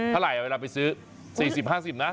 เท่าไหร่เวลาไปซื้อ๔๐๕๐นะ